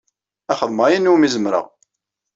Ad xedmeɣ ayen iwimi zemreɣ.